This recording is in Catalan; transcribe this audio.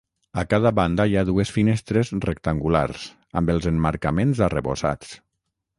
A cada banda hi ha dues finestres rectangulars, amb els emmarcaments arrebossats.